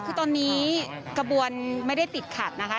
คือตอนนี้กระบวนไม่ได้ติดขัดนะคะ